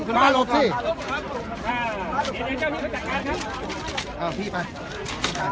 ก็ไม่มีใครกลับมาเมื่อเวลาอาทิตย์เกิดขึ้น